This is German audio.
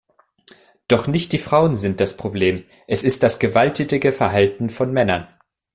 Doch nicht die Frauen sind das Problem, es ist das gewalttätige Verhalten von Männern.